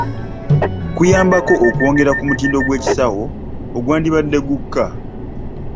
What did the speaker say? Kuyambako okwongera ku mutindo gw’ekisawo ogwandibadde gukka.